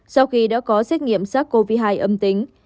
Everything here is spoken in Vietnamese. sau khi đã có xét nghiệm sars cov hai âm tính